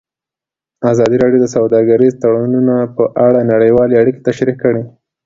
ازادي راډیو د سوداګریز تړونونه په اړه نړیوالې اړیکې تشریح کړي.